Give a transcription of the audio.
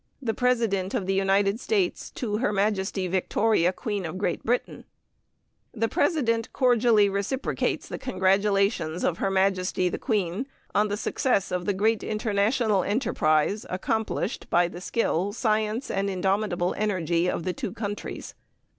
The President of the United States to her Majesty Victoria, Queen of Great Britain: The President cordially reciprocates the congratulations of her Majesty the Queen on the success of the great international enterprise accomplished by the skill, science, and indomitable energy of the two countries.